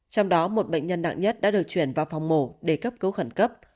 trong đó một bệnh nhân nặng nhất đã được chuyển vào phòng mổ để cấp cứu khẩn cấp